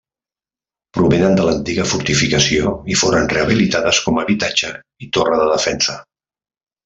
Provenen de l'antiga fortificació i foren rehabilitades com a habitatge i torre de defensa.